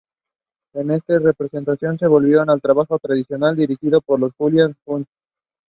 En esta representación volvieron al trabajo tradicional, dirigidos por Julian y Judith.